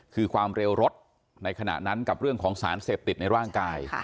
คือความเร็วรถในขณะนั้นกับเรื่องของสารเสพติดในร่างกาย